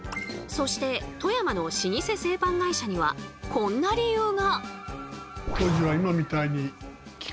そして富山の老舗製パン会社にはこんな理由が。